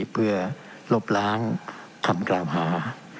เพื่อลบล้างคำกล่าวหา